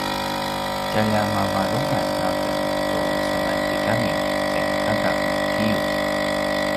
tjalja mavarungan aken tu semantigami tjai kaka i giyu